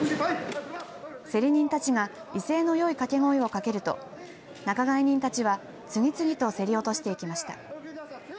競り人たちが威勢のいい掛け声をかけると仲買人たちは次々と競り落としていきました。